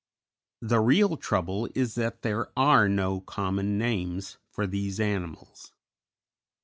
The real trouble is that there are no common names for these animals.